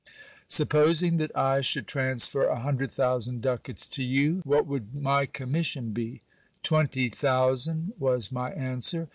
Supposing that I should transfer a hundred thousand ducats to you, what would my commission be ? Twenty thousand ! was my answer.